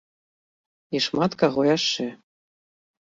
І шмат каго яшчэ.